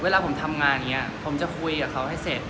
เวลาผมทำงานอย่างนี้ผมจะคุยกับเขาให้เสร็จ